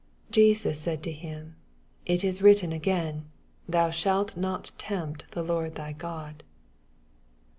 7 Jesus said unto him, It is writ ten again. Thou shalt not tempt the Lord thjr Gk>d.